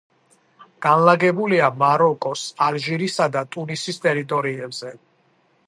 განლაგებულია მაროკოს, ალჟირისა და ტუნისის ტერიტორიებზე.